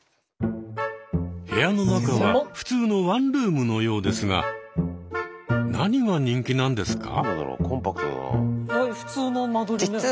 部屋の中は普通のワンルームのようですが何が人気なんですか？